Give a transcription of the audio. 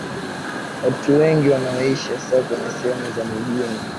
watu wengi wanaoishi hasa kwenye sehemu za mijini